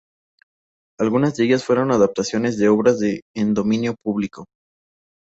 Algunas de ellas fueron adaptaciones de obras en dominio público.